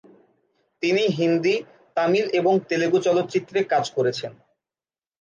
তিনি হিন্দি, তামিল এবং তেলুগু চলচ্চিত্রে কাজ করেছেন।